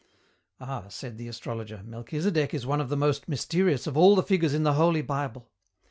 "Ah," said the astrologer, "Melchisedek is one of the most mysterious of all the figures in the Holy Bible.